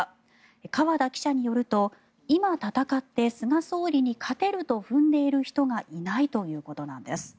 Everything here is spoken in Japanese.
河田記者によると今、戦って菅総理に勝てると踏んでいる人がいないということです。